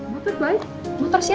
motor baik motor siapa